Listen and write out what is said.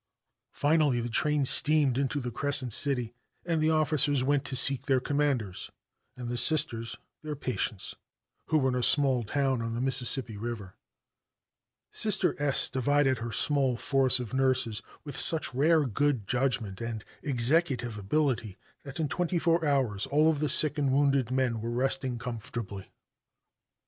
Finally the train steamed into the Crescent City, and the officers went to seek their commanders and the sisters their patients, who were in a small town on the Mississippi River. Sister S divided her small force of nurses with such rare good judgment and executive ability that in twenty four hours all of the sick and wounded men were resting comfortably.